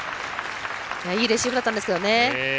いいレシーブだったんですがね。